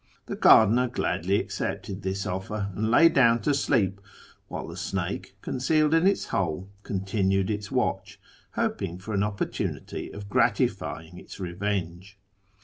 The gardener gladly accepted this offer, and lay down to sleep ; while the snake, concealed in its hole, continued its watch, hoping for an oppor tunity of gratifying its revenge.